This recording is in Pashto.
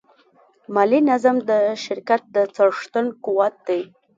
مالي نظم د شرکت د څښتن قوت دی.